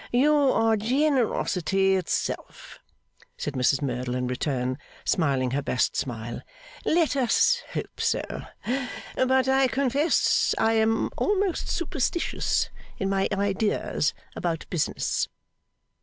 'You are generosity itself,' said Mrs Merdle in return, smiling her best smile; 'let us hope so. But I confess I am almost superstitious in my ideas about business.